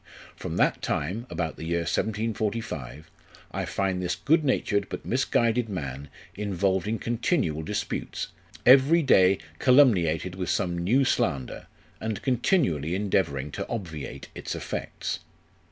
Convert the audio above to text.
From that time (about the year 1745) I find this good natured but misguided man involved in continual disputes, every day calumniated with some new slander, and continually endeavouring to obviate its effects.